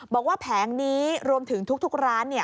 แผงนี้รวมถึงทุกร้าน